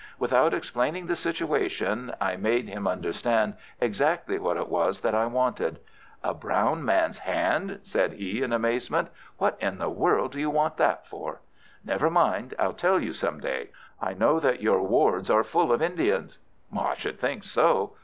Without explaining the situation I made him understand exactly what it was that I wanted. "A brown man's hand!" said he, in amazement. "What in the world do you want that for?" "Never mind. I'll tell you some day. I know that your wards are full of Indians." "I should think so.